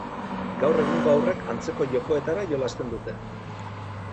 Gaur egungo haurrek antzeko jokoetara jolasten dute.